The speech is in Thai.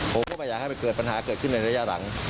ผมก็ไม่อยากให้มันเกิดปัญหาเกิดขึ้นในระยะหลัง